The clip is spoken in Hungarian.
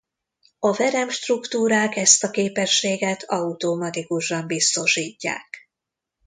A verem struktúrák ezt a képességet automatikusan biztosítják.